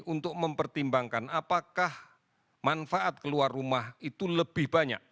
untuk mempertimbangkan apakah manfaat keluar rumah itu lebih banyak